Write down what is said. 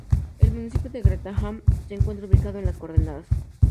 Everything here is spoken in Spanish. El municipio de Grantham se encuentra ubicado en las coordenadas